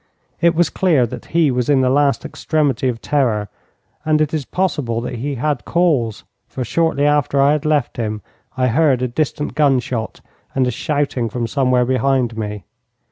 It was clear that he was in the last extremity of terror, and it is possible that he had cause, for shortly after I had left him I heard a distant gunshot and a shouting from somewhere behind me.